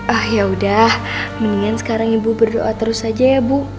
ah yaudah mendingan sekarang ibu berdoa terus saja ya bu